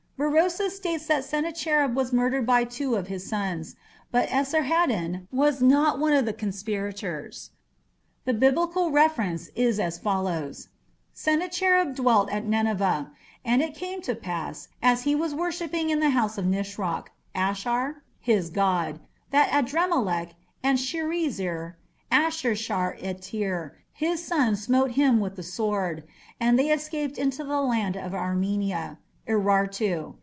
Berosus states that Sennacherib was murdered by two of his sons, but Esarhaddon was not one of the conspirators. The Biblical reference is as follows: "Sennacherib ... dwelt at Nineveh. And it came to pass, as he was worshipping in the house of Nisroch (?Ashur) his god, that Adrammelech and Sharezer (Ashur shar etir) his sons smote him with the sword: and they escaped into the land of Armenia (Urartu).